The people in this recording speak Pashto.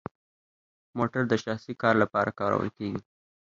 موټر د شخصي کار لپاره کارول کیږي؟